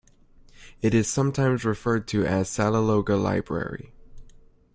It is sometimes referred to as Salelologa Library.